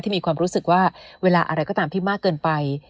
มีความรู้สึกว่าเวลาอะไรก็ตามที่มากเกินไป